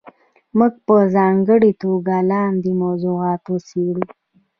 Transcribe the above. موږ به په ځانګړې توګه لاندې موضوعات وڅېړو.